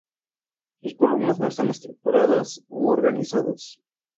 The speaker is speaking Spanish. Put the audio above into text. Sus columnas no están estructuradas u organizadas.